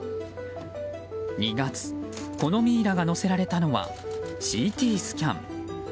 ２月、このミイラが乗せられたのはＣＴスキャン。